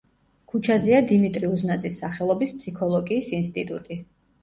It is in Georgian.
ქუჩაზეა დიმიტრის უზნაძის სახელობის ფსიქოლოგიის ინსტიტუტი.